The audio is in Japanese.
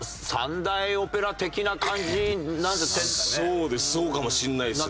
そうですそうかもしれないですね。